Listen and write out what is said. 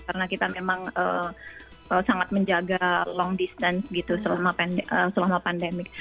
karena kita memang sangat menjaga long distance gitu selama pandemi